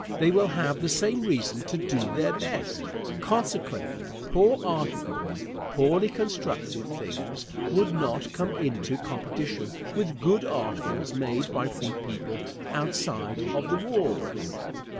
They will have the same reason to do their best. Consequently, poor articles, poorly constructed things, would not come into competition with good articles made by free people outside of the walls.